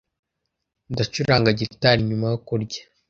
Ndacuranga gitari nyuma yo kurya.